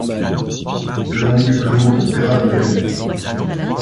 Longue, lourde, grave maladie.